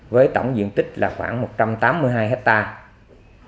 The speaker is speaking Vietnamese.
với tổng diện tích là khoảng một trăm tám mươi hai hectare